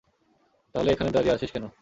তাহলে এখানে দাঁড়িয়ে আছিস কেন?